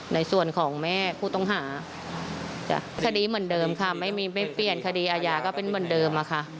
ในส่วนของแม่ผู้ต้องหาจะคดีเหมือนเดิมค่ะไม่เปลี่ยนคดีอาญาก็เป็นเหมือนเดิมอะค่ะ